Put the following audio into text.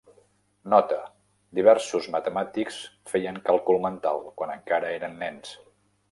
Nota: Diversos matemàtics feien càlcul mental quan encara eren nens.